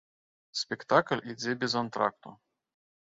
Спектакль ідзе без антракту.